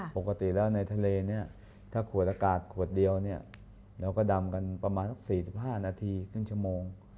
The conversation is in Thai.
ปกติแล้วในทะเลเนี่ยถ้าขวดอากาศขวดเดียวเราก็ดำกันประมาณสัก๔๕นาทีครึ่งชั่วโมง